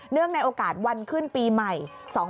ในโอกาสวันขึ้นปีใหม่๒๕๖